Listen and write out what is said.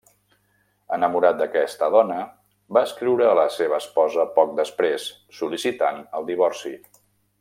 Enamorat d'aquesta dona, va escriure a la seva esposa poc després sol·licitant el divorci.